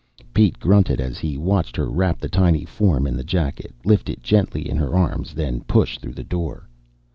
Pete grunted as he watched her wrap the tiny form in the jacket, lift it gently in her arms, then push through the door.